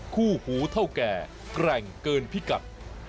คู่หูเท่าแก่แกร่งเกินพิกัด